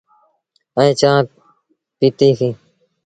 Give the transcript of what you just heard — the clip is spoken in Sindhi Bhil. ائيٚݩ چآنه پيٚتيٚسيٚݩ۔